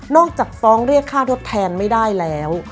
อกจากฟ้องเรียกค่าทดแทนไม่ได้แล้ว